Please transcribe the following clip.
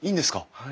はい。